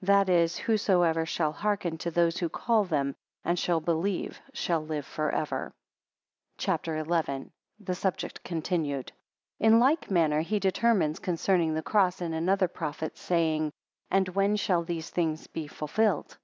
15 That is, whosoever shall hearken to those who call them, and shall believe, shall live for ever. CHAPTER XI. The subject continued. IN like manner he determines concerning the cross in another prophet, saying: And when shall these things be fulfilled?